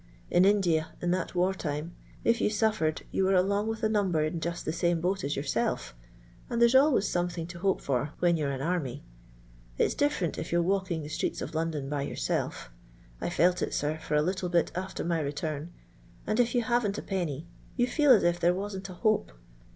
In India, in that war time, if you suffered, you were along with a number in just tbe same boat as yourself; and there's always something to hope for when you're an army. It's different if you 're walking the streets of London by your self— I felt it, sir, for a little bit after my return — and if you haven't a penny, you feel as if there wasn't a hope.